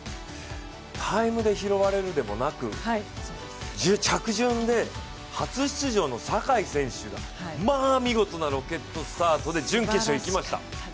タイムで拾われるでもなく着順で初出場の坂井選手がまあ、見事なロケットスタートで準決勝いきました。